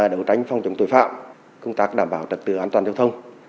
đấu tranh phòng chống tội phạm công tác đảm bảo trật tự an toàn giao thông